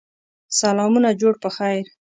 سلامونه جوړ په خیر!